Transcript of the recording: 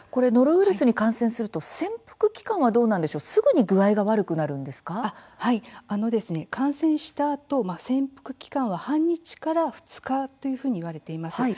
ノロウイルスに感染すると潜伏期間はどうなんでしょうかすぐに感染したあと、潜伏期間は半日から２日と言われています。